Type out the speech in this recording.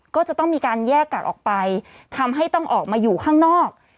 ก็จะต้องมีการแยกกัดออกไปทำให้ต้องออกมาอยู่ข้างนอก